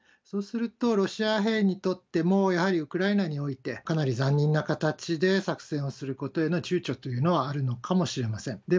そうすると、ロシア兵にとっても、やはりウクライナにおいて、かなり残忍な形で作戦をすることへのちゅうちょというのはあるのかもしれません。